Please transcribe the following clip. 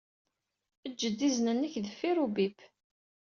Eǧǧ-d izen-nnek deffir ubip.